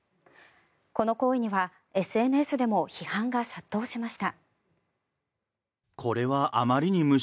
この行為にはＳＮＳでも批判が殺到しました。